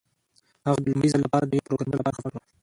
هغه د لومړي ځل لپاره د یو پروګرامر لپاره خفه شو